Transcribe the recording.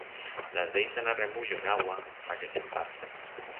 Las deixan a remullo en agua pa que s'empapen.